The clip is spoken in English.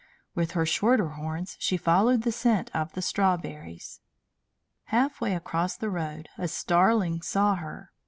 With her shorter horns she followed the scent of the strawberries. Half way across the road a starling saw her.